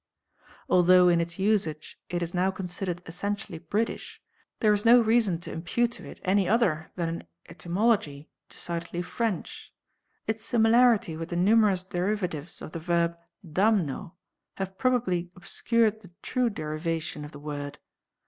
Although in its usage it is now considered essentially British, there is no reason to impute to it any other than an etymology decidedly French. Its similarity with the numerous derivatives of the verb damno have probably obscured the true derivation of the word.